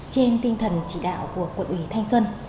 trên tinh thần chỉ đạo của quận ủy thanh xuân